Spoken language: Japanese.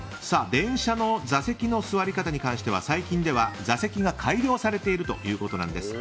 電車の座席の座り方に関しては最近では座席が改良されているということです。